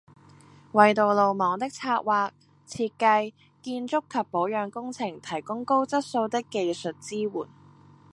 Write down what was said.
為道路網的策劃、設計、建築及保養工程，提供高質素的技術支援